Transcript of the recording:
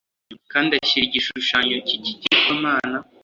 Kandi ashyira igishushanyo cy ikigirwamana